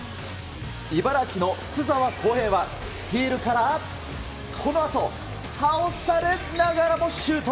茨城のふくざわこうへいは、スティールから、このあと、倒されながらもシュート。